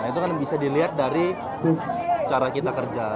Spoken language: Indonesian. itu kan bisa dilihat dari cara kita kerja